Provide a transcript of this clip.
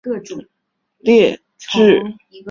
球队的宿敌是真格拿拜列治。